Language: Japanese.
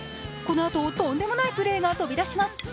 このあと、とんでもないプレーが飛び出します。